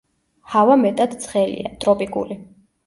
ჰავა მეტად ცხელია, ტროპიკული.